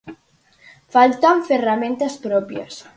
Faltan ferramentas propias?